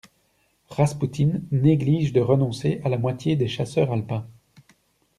Raspoutine néglige de renoncer à la moitié des chasseurs alpins.